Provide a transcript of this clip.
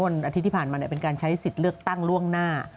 อาทิตย์ที่ผ่านมาเป็นการใช้สิทธิ์เลือกตั้งล่วงหน้า